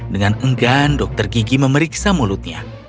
dengan enggan dokter gigi memeriksa mulutnya